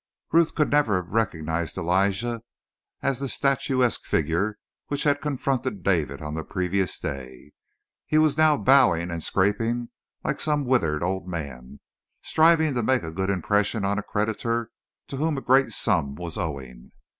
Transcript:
Ruth could never have recognized Elijah as the statuesque figure which had confronted David on the previous day. He was now bowing and scraping like some withered old man, striving to make a good impression on a creditor to whom a great sum was owing.